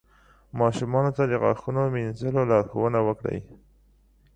ماشومانو ته د غاښونو مینځلو لارښوونه وکړئ.